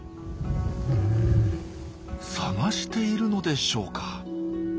探しているのでしょうか？